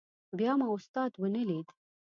بیا ما استاد ونه لید.